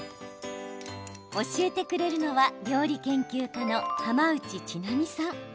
教えてくれるのは料理研究家の浜内千波さん。